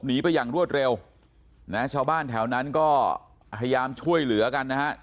หนีไปอย่างรวดเร็วนะฮะชาวบ้านแถวนั้นก็พยายามช่วยเหลือกันนะฮะ